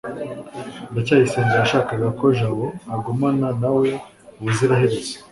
ndacyayisenga yashakaga ko jabo agumana na we ubuziraherezo